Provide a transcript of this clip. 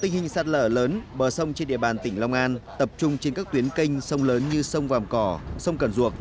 tình hình sạt lở lớn bờ sông trên địa bàn tỉnh long an tập trung trên các tuyến kênh sông lớn như sông vàng cò sông cần ruột